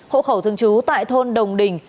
hộ khẩu thương chú tại thôn đồng đình